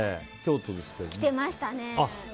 着てましたね。